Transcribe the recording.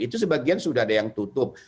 itu sebagian sudah ada yang tutup